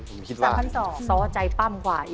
หรือว่าน่าจะประมาณ๔๕๐๐บาท